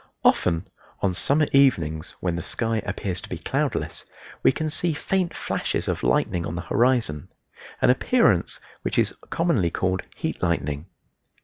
Often on summer evenings, when the sky appears to be cloudless, we can see faint flashes of lightning on the horizon, an appearance which is commonly called "heat lightning."